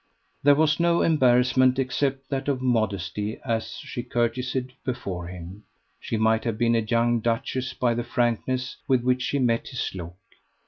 There was no embarrassment except that of modesty as she curtseyed before him. She might have been a young duchess by the frankness with which she met his look.